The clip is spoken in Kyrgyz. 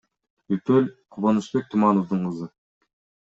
Үпөл — Кубанычбек Тумановдун кызы.